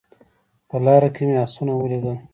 په لاره کې مې اسونه ولیدل